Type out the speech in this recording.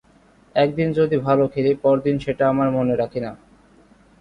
এক দিন যদি ভালো খেলি, পরদিন সেটা আমার মনে রাখি না।